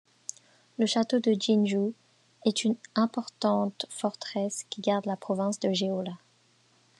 Le château de Jinju est une importante forteresse qui garde la province de Jeolla.